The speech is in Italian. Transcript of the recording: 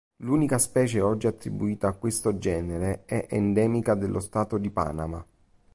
L'unica specie oggi attribuita a questo genere è endemica dello Stato di Panama.